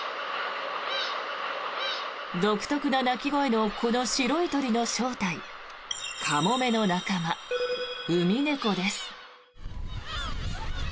独特な鳴き声のこの白い鳥の正体カモメの仲間、ウミネコです。